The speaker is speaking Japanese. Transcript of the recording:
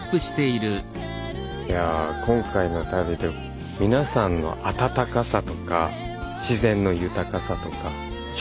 いや今回の旅で皆さんの温かさとか自然の豊かさとか食材の豊富さとか。